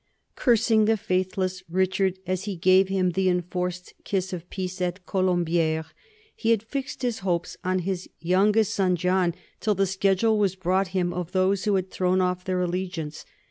Cursing the faithless Richard as he gave him the enforced kiss of peace at Colombi&res, he had fixed his hopes on his youngest son John till the schedule was brought him of those who had thrown off their allegiance.